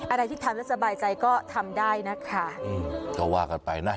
อะไรที่ทำแล้วสบายใจก็ทำได้นะคะอืมก็ว่ากันไปนะ